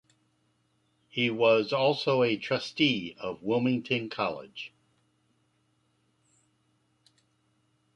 He was also a trustee of Wilmington College.